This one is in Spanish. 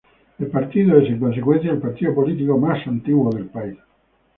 El partido es, en consecuencia, el partido político más antiguo del país.